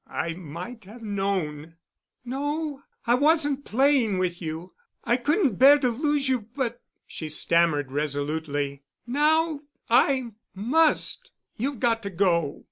I might have known——" "No, I wasn't playing with you. I—couldn't bear to lose you—but," she stammered resolutely, "now—I must—— You've got to go.